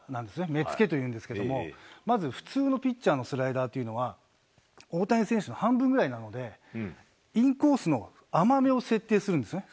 めつけというんですけれども、まず普通のピッチャーのスライダーというのは、大谷選手の半分ぐらいなので、インコースの甘めを設定するんですね。